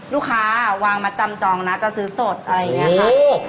ลูกค้าวางมาจำจองนะจะซื้อสดอะไรอย่างนี้ค่ะ